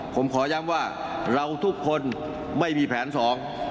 ผมขอย้ำว่าเราทุกคนไม่มีแผนสอง